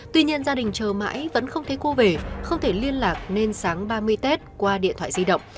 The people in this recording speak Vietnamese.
tuy nhiên gia đình chờ mãi vẫn không thấy cô về không thể liên lạc nên sáng ba mươi tết qua điện thoại di động